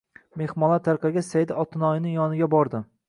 Mehmonlar tarqalgach Saida otinoyining yoniga bordi